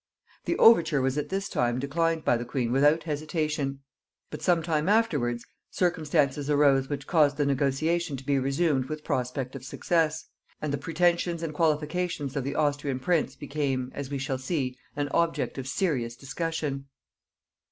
The overture was at this time declined by the queen without hesitation; but some time afterwards, circumstances arose which caused the negotiation to be resumed with prospect of success, and the pretensions and qualifications of the Austrian prince became, as we shall see, an object of serious discussion.